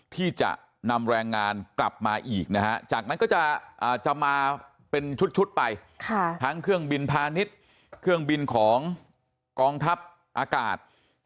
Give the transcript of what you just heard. ที่จะนำแรงงานกลับมาอีกนะฮะจากนั้นก็จะมาเป็นชุดไปทั้งเครื่องบินพาณิชย์เครื่องบินของกองทัพอากาศ